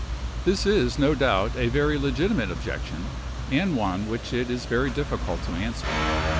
This is, no doubt, a very legitimate objection, and one which it is very difficult to answer.